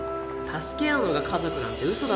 「助け合うのが家族」なんて嘘だぞ才